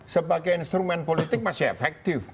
sebagai instrumen politik masih efektif